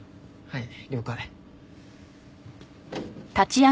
はい。